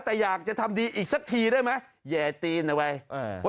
แต่อยากจะทำดีอีกสักทีได้ไหม